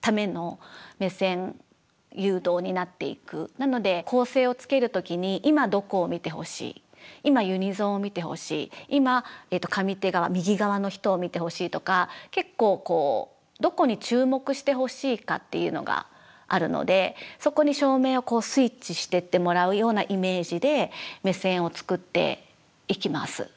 なので構成をつける時に今どこを見てほしい今ユニゾンを見てほしい今上手側右側の人を見てほしいとか結構こうどこに注目してほしいかっていうのがあるのでそこに照明をスイッチしてってもらうようなイメージで目線を作っていきます。